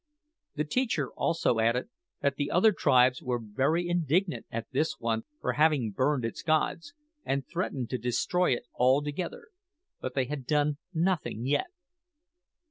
The teacher also added that the other tribes were very indignant at this one for having burned its gods, and threatened to destroy it altogether; but they had done nothing yet.